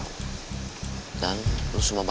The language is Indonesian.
untuk buat apa